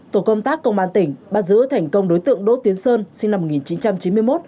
tổ công tác công an tỉnh bắt giữ thành công đối tượng đỗ tiến sơn sinh năm một nghìn chín trăm chín mươi một